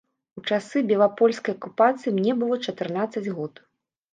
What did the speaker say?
У часы белапольскай акупацыі мне было чатырнаццаць год.